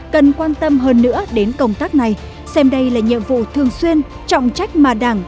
cần quan tâm hơn nữa đến công tác này xem đây là nhiệm vụ thường xuyên trọng trách mà đảng